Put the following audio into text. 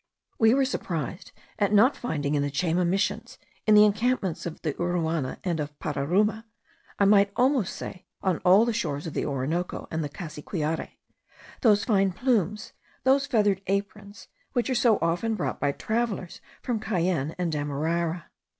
We were surprised at not finding in the Chayma Missions, in the encampments of Uruana and of Pararuma (I might almost say on all the shores of the Orinoco and the Cassiquiare) those fine plumes, those feathered aprons, which are so often brought by travellers from Cayenne and Demerara.